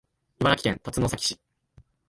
茨城県龍ケ崎市